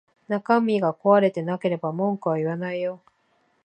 中身が壊れてなければ文句は言わないよ